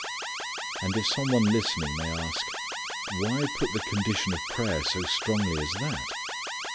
And if some one listening may ask: Why put the condition of prayer so strongly as that?